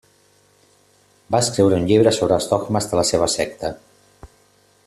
Va escriure un llibre sobre els dogmes de la seva secta.